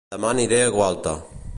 Dema aniré a Gualta